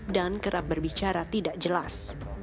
kerap berbicara tidak jelas